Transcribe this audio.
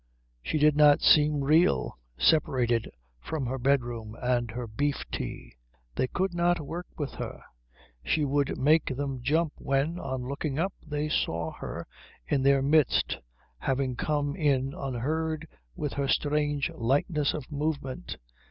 She did not seem real, separated from her bedroom and her beef tea. They could not work with her. She would make them jump when, on looking up, they saw her in their midst, having come in unheard with her strange lightness of movement.